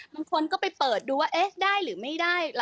บางคนก็ไปเปิดดูว่าเอ๊ะได้หรือไม่ได้